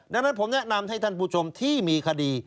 ดังนั้นผมแนะนำให้ท่านผู้ชมที่มีคดี